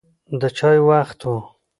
د چای وخت و.